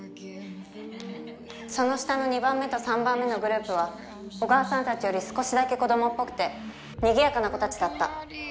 その下の二番目と三番目のグループは小川さんたちより少しだけ子供っぽくて賑やかな子たちだった。